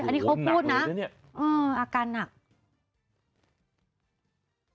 อันนี้ขอบคุณนะโอ้โหหนักเลยนะเนี้ยอืมอาการหนัก